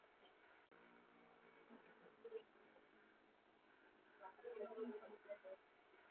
maanake wajua ilivyokuwa ule historia ya southern sudan ama sudan kusini